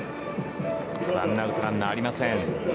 １アウトランナーありません。